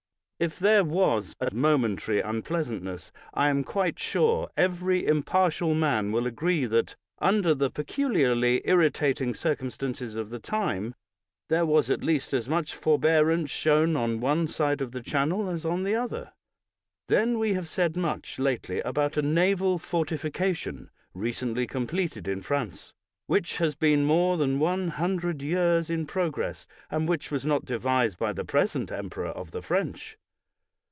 If there was a 234 BRIGHT momentary unpleasantness, I am quite sure every impartial man will agree that, under the peculiarly irritating circumstances of the time there was at least as much forbearance shown on one side of the Channel as on the other. Then we have had much said lately about a naval fortification recently completed in France, which has been more than one hundred years in progress, and which was not devised by the present emperor of the French.